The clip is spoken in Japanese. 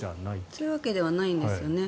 そういうわけではないんですよね。